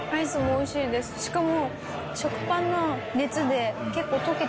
しかも。